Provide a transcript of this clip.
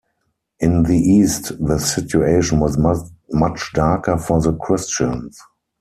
In the East the situation was much darker for the Christians.